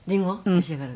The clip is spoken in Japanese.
召し上がる？